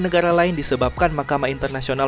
negara lain disebabkan mahkamah internasional